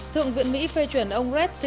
thượng viện mỹ phê chuyển ông nguyễn văn nguyên